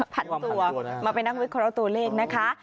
พันตัวมาไปนั่งวิเคราะห์ตัวเลขนะคะ